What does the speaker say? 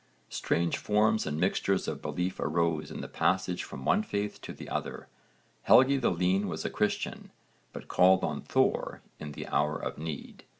Strange forms and mixtures of belief arose in the passage from one faith to the other. Helgi the Lean was a Christian, but called on Thor in the hour of need.